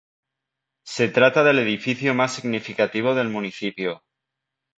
Se trata del edificio más significativo del municipio.